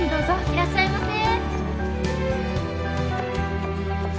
いらっしゃいませ。